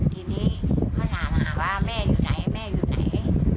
ทีนี้เขาถามหาว่าแม่อยู่ไหนแม่อยู่ไหน